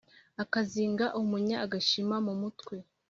Akazinga umunya agashima mu mutwe